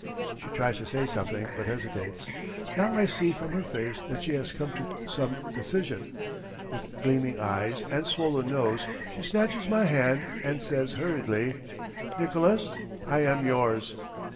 She tries to say something, but hesitates. Now I see from her face that she has come to some decision. With gleaming eyes and swollen nose she snatches my hand, and says hurriedly, "Nicolas, I am yours!